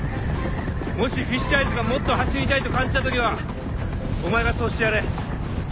もしフィッシュアイズがもっと走りたいと感じた時にはお前がそうしてやれ。